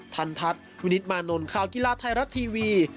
ทันทัศน์วินิตมานนท์ข่าวกีฬาไทยรัฐทีวี